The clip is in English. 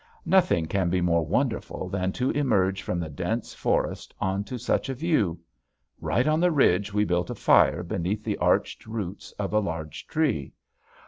Nothing can be more wonderful than to emerge from the dense forest onto such a view! Right on the ridge we built a fire beneath the arched roots of a large tree.